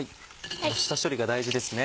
下処理が大事ですね。